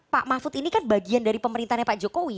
pak mahfud ini kan bagian dari pemerintahnya pak jokowi